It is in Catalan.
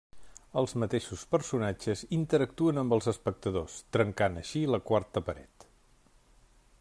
Els mateixos personatges interactuen amb els espectadors, trencant així la quarta paret.